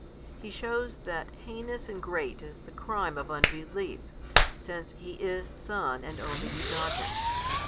He shews that heinous and great is the crime of unbelief, since He is Son and Only Begotten.